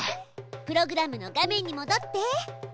プログラムの画面にもどって。